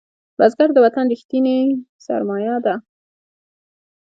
بزګر د وطن ریښتینی سرمایه ده